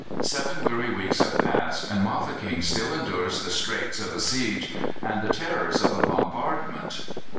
Seven weary weeks have passed, and Mafeking still endures the straits of a siege and the terrors of a bombardment.